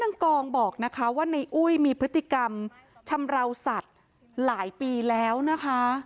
นางกองบอกนะคะว่าในอุ้ยมีพฤติกรรมชำราวสัตว์หลายปีแล้วนะคะ